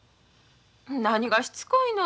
何がしつこいの？